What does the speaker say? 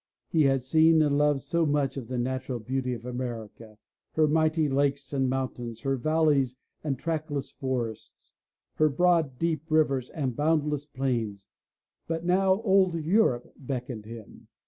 He had seen and loved so much of the natural beauty of America, her mighty lakes and mountains, her valleys and trackless forests, her broad, deep rivers and boundless plains, but now old Europe beckoned him.